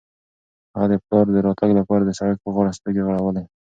هغه د خپل پلار د راتګ لپاره د سړک په غاړه سترګې غړولې.